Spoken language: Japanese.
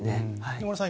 野村さん